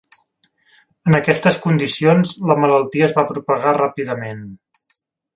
En aquestes condicions, la malaltia es va propagar ràpidament.